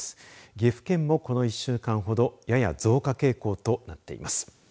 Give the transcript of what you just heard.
岐阜県もこの１週間ほどやや増加傾向となっています。